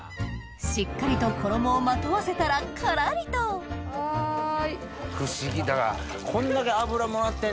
しっかりと衣をまとわせたらカラリと不思議だ。